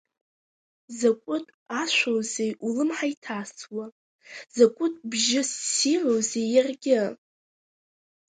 Закәытә ашәоузеи улымҳа иҭасуа, закәытә бжьы ссирузеи иаргьы!